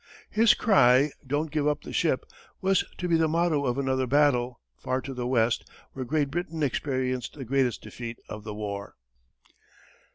His cry, "Don't give up the ship!" was to be the motto of another battle, far to the west, where Great Britain experienced the greatest defeat of the war.